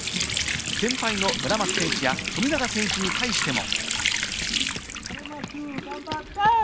先輩の村松選手や富永選手に対しても。